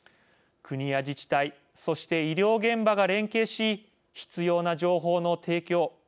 国や自治体そして医療現場が連携し必要な情報の提供